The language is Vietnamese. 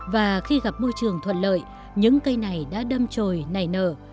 và khi gặp môi trường thuận lợi những cây này đã đâm trồi nảy nở